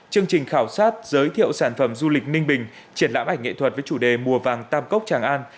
chương trình khảo sát giới thiệu sản phẩm du lịch ninh bình triển lãm ảnh nghệ thuật với chủ đề mùa vàng tam cốc tràng an